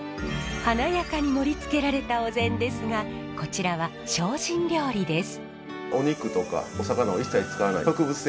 華やかに盛りつけられたお膳ですがこちらは精進料理です。